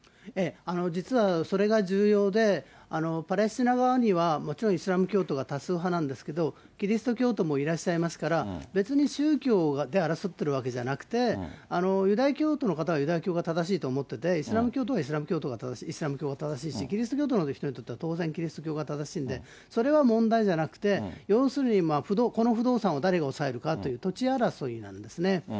実はそれが重要で、パレスチナ側にはもちろんイスラム教徒が多数派なんですけれども、キリスト教徒もいらっしゃいますから、別に宗教で争っているわけじゃなくて、ユダヤ教徒の方はユダヤ教が正しいと思ってて、イスラム教徒はイスラム教が正しいし、キリスト教の方は当然キリスト教が正しいんで、それは問題じゃなくて、要するに、この不動産を誰が押さえるかという、土地争いなんですね。